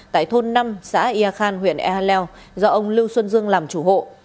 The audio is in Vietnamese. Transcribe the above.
tại thôn năm xã ia khan huyện ia leo do ông lưu xuân dương làm chủ hộ